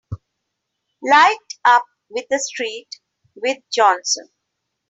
Light up with the street with Johnson!